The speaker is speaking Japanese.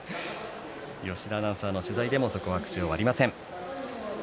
吉田アナウンサーの取材でもそこは口を割りません。